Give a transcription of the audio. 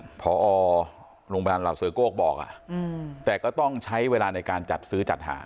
พอโรงพยาบาลเหล่าเสือโก้บอกแต่ก็ต้องใช้เวลาในการจัดซื้อจัดหา